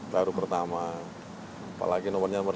baru pertama apalagi nomornya nomor dua